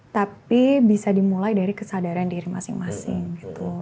tapi bisa dimulai dari kesadaran diri masing masing gitu